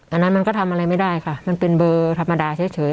อันนั้นมันก็ทำอะไรไม่ได้ค่ะมันเป็นเบอร์ธรรมดาเฉย